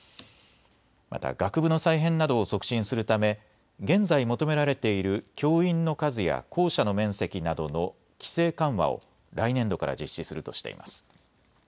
また学部の再編などを促進するため現在求められている教員の数や校舎の面積などの規制緩和を来年度から実施するとしています。